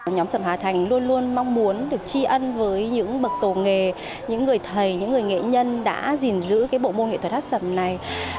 nhóm sầm hà thành luôn luôn mong muốn được tri ân với những bậc tổ nghề những người thầy những người nghệ nhân đã gìn giữ bộ môn nghệ thuật hát sầm này